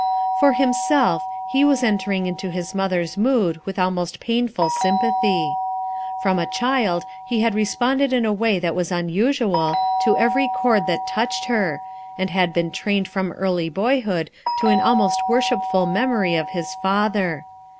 For himself, he was entering into his mother's mood with almost painful sympathy. From a child he had responded in a way that was unusual, to every chord that touched her, and he had been trained from early boyhood to an almost worshipful memory of his father.